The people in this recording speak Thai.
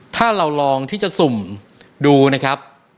ถ้าเราลองที่จะสุ่มดูนะครับ